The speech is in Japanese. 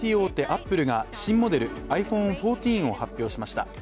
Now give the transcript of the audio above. アップルが新モデルｉＰｈｏｎｅ１４を発表しました。